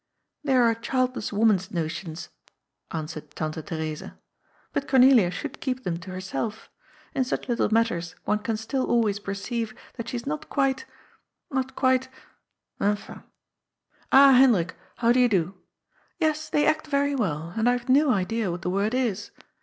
" They are a childless woman's notions," answered Tante Theresa, " but Cornelia should keep them to herself. In such little matters one can still always perceive that she is not quite, not quite— enfin !— ^Ah, Hendrik, how do you do ? Yes, they act very well, and I have no idea what the word is.